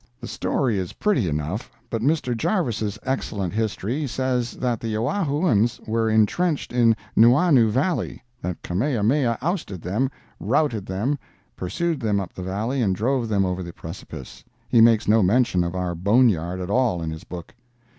The story is pretty enough, but Mr. Jarves' excellent history says the Oahuans were intrenched in Nuuanu Valley; that Kamehameha ousted them, routed them, pursued them up the valley and drove them over the precipice. He makes no mention of our bone yard at all in his book.